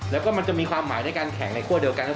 แล้วก็มันจะมีความหมายในการแข่งในคั่วเดียวกันก็คือ